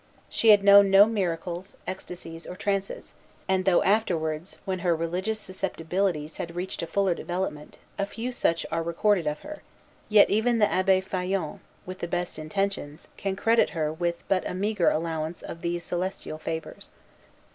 She had known no miracles, ecstasies, or trances; and though afterwards, when her religious susceptibilities had reached a fuller development, a few such are recorded of her, yet even the Abbé Faillon, with the best intentions, can credit her with but a meagre allowance of these celestial favors.